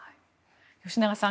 吉永さん